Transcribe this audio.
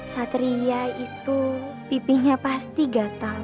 satria itu pipinya pasti gatel